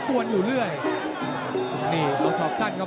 ตามต่อยกที่สองครับ